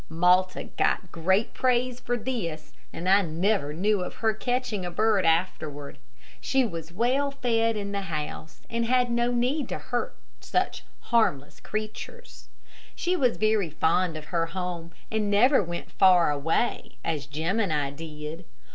Malta got great praise for this, and I never knew of her catching a bird afterward. She was well fed in the house, and had no need to hurt such harmless creatures. She was very fond of her home, and never went far away, as Jim and I did.